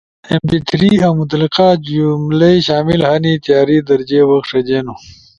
ایم پی تھری اؤ متعلقہ جملئی شامل ہنی، تیاری در جے وخ ݜجینو